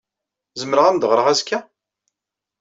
Zemreɣ ad am-d-ɣreɣ azekka?